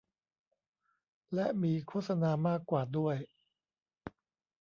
และมีโฆษณามากกว่าด้วย